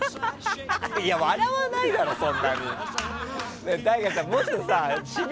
笑わないだろ、そんなに。